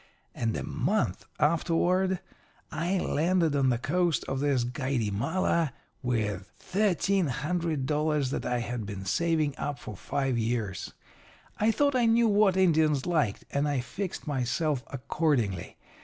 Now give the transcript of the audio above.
And a month afterward I landed on the coast of this Gaudymala with $1,300 that I had been saving up for five years. I thought I knew what Indians liked, and I fixed myself accordingly.